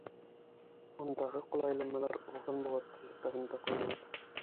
Ундағы ҡулайламалар уҙған быуаттың уртаһында ҡуйылған.